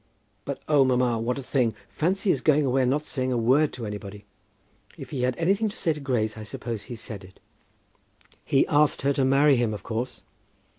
"But, oh, mamma, what a thing! Fancy his going away and not saying a word to anybody!" "If he had anything to say to Grace, I suppose he said it." "He asked her to marry him, of course.